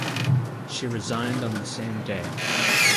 She resigned on the same day.